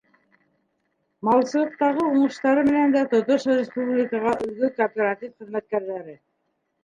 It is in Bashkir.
Малсылыҡтағы уңыштары менән дә тотош республикаға өлгө кооператив хеҙмәткәрҙәре.